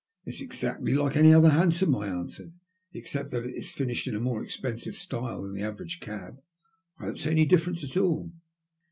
" It*s exactly like any other hansom," I answered. " Except that it is finished in a more expensive style than the average cab, I don't see any difference at all."